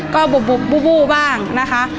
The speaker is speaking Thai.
ก็บุบบุบบู่บู่บ้างนะคะ